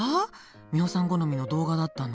ミホさん好みの動画だったの？